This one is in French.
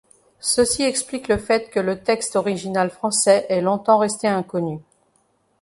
Ceci explique le fait que le texte original français est longtemps resté inconnu.